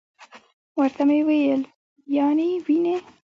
ورته ومي ویل: یا نې وینې .